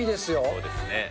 そうですね。